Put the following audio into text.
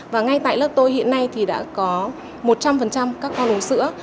và ngay tại lớp tôi hiện nay thì đã có một trăm linh các con uống sữa